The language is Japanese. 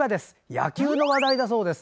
野球の話題だそうです。